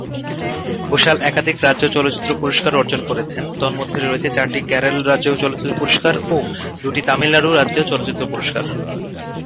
ঘোষাল একাধিক রাজ্য চলচ্চিত্র পুরস্কারও অর্জন করেছেন, তন্মধ্যে রয়েছে চারটি কেরল রাজ্য চলচ্চিত্র পুরস্কার, ও দুটি তামিলনাড়ু রাজ্য চলচ্চিত্র পুরস্কার।